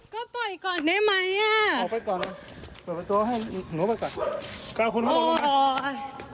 ก็ต่อยก่อนได้ไหมอ่าเอาไปก่อนเปิดประตูให้หนูไปก่อน